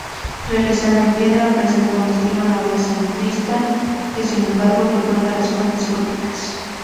Realizada en piedra, presenta un estilo novecentista que sin embargo recuerda las fuentes góticas.